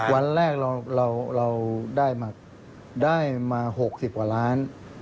วันแรกเราได้มา๖๐กว่าล้าน